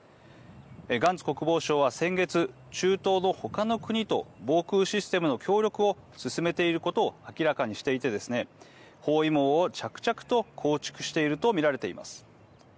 ガンツ国防相は先月中東のほかの国と防空システムの協力を進めていることを明らかにしていてですね包囲網を着々と構築していると見られています。